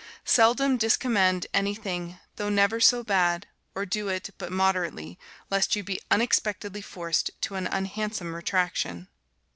Seldom discommend anything though never so bad, or doe it but moderately, lest you bee unexpectedly forced to an unhansom retraction.